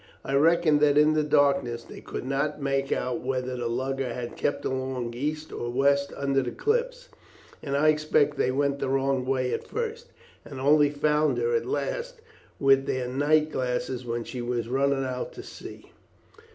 I reckon that in the darkness they could not make out whether the lugger had kept along east or west under the cliffs, and I expect they went the wrong way at first, and only found her at last with their night glasses when she was running out to sea.